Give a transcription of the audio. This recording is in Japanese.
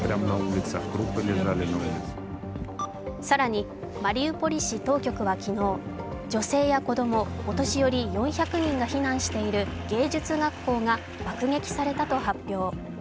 更に、マリウポリ市当局は昨日、女性や子供、お年寄り４００人が避難している芸術学校が爆撃されたと発表。